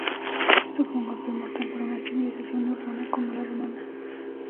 Esto fue un golpe mortal para una civilización urbana como la romana.